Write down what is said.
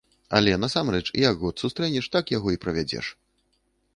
Але, насамрэч, як год сустрэнеш, так яго і правядзеш.